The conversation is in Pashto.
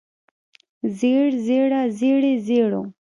زېړ زېړه زېړې زېړو